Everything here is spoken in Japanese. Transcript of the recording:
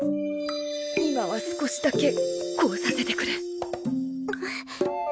今は少しだけこうさせてくれ。